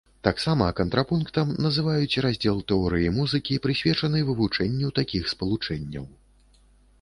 Таксама кантрапунктам называюць раздзел тэорыі музыкі, прысвечаны вывучэнню такіх спалучэнняў.